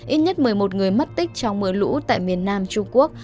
ít nhất một mươi một người mất tích trong mưa lũ tại miền nam trung quốc